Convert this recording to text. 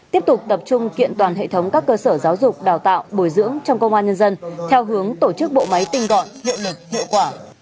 tiếp tục tập trung kiện toàn hệ thống các cơ sở giáo dục đào tạo bồi dưỡng trong công an nhân dân theo hướng tổ chức bộ máy tinh gọn hiệu lực hiệu quả